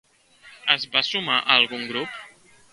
Es va sumar a algun grup?